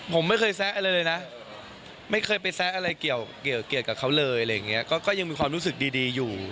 ผมไม่เคยแซะอะไรเลยนะไม่เคยไปแซะอะไรเกี่ยวกับเขาเลยอะไรอย่างนี้ก็ยังมีความรู้สึกดีอยู่